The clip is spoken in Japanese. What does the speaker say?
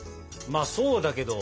まあそうだけど。